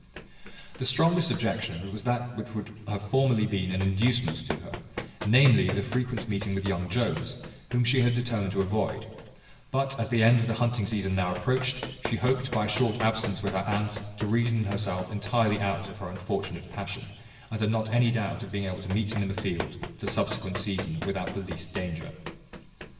The strongest objection was that which would have formerly been an inducement to her, namely, the frequent meeting with young Jones, whom she had determined to avoid; but as the end of the hunting season now approached, she hoped, by a short absence with her aunt, to reason herself entirely out of her unfortunate passion; and had not any doubt of being able to meet him in the field the subsequent season without the least danger.